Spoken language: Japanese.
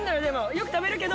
よく食べるけど。